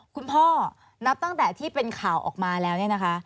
คุณพ่อนับตั้งแต่ที่เป็นข่าวออกมาแล้วเนี่ยนะคะ